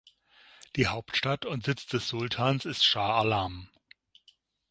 Die Hauptstadt und Sitz des Sultans ist Shah Alam.